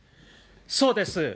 そうです。